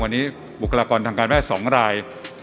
วันนี้บุคลากรทางการแพทย์๒ราย